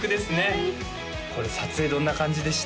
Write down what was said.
はいこれ撮影どんな感じでした？